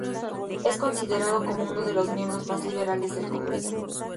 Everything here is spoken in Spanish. Es considerado como uno de los miembros más liberales del Congreso.